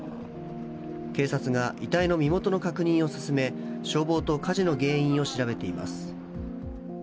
警察が遺体の身元の確認を進め、消防と火事の原因を調べています。